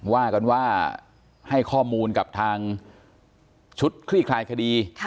ว่ากันว่าให้ข้อมูลกับทางชุดคลี่คลายคดี